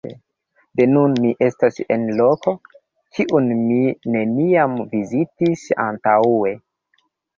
De nun, mi estas en loko, kiun mi neniam vizitis antaŭe.